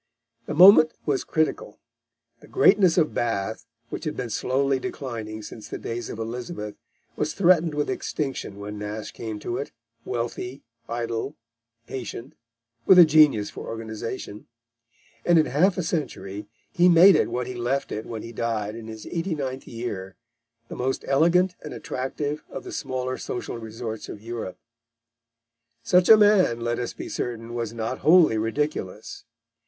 The moment was critical; the greatness of Bath, which had been slowly declining since the days of Elizabeth, was threatened with extinction when Nash came to it, wealthy, idle, patient, with a genius for organisation, and in half a century he made it what he left it when he died in his eighty ninth year, the most elegant and attractive of the smaller social resorts of Europe. Such a man, let us be certain, was not wholly ridiculous.